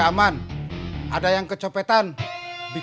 aku penasaran dari pak rabi